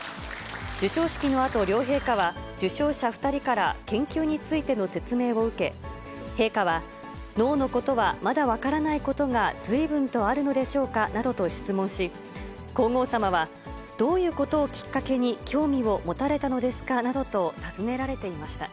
授賞式のあと、両陛下は、受賞者２人から研究についての説明を受け、陛下は、脳のことはまだ分からないことがずいぶんとあるのでしょうかなどと質問し、皇后さまは、どういうことをきっかけに興味を持たれたのですかなどと尋ねられていました。